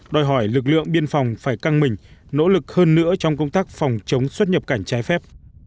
đòi hỏi lực lượng biên phòng phải căng mình nỗ lực hơn nữa trong công tác phòng chống xuất nhập cảnh trái phép